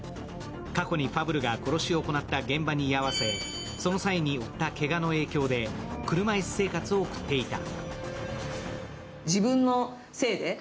過去にファブルが殺しを請け負った現場に居合わせその際に負ったけがの影響で車椅子生活を送っていた。